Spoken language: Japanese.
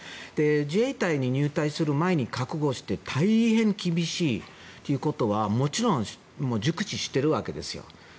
自衛隊に入隊する前に覚悟して大変厳しいということはもちろん熟知しているわけですよ。